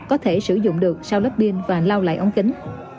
có thể sử dụng được sau lớp pin và lau lại ống kính